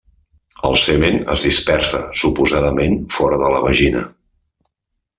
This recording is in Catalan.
El semen es dispersa, suposadament, fora de la vagina.